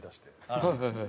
はいはいはいはい。